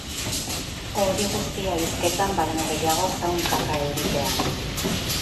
Hori guztia hizketan baino gehiago zaunkaka euripean.